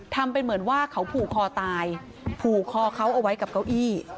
ทำเป็นเหมือนว่าเขาผูกคอตายผูกคอเขาเอาไว้กับเก้าอี้